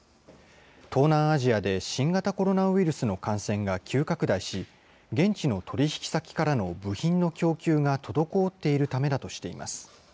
東南アジアで新型コロナウイルスの感染が急拡大し、現地の取り引き先からの部品の供給が滞っているためだとしています。